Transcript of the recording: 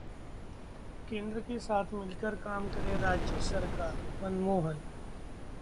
केंद्र के साथ मिलकर काम करे राज्य सरकार: मनमोहन